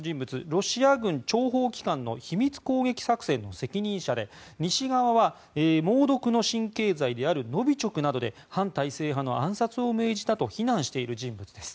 ロシア諜報機関の秘密攻撃作戦責任者で西側は、猛毒の神経剤であるノビチョクなどで反体制派の暗殺を命じたと非難している人物です。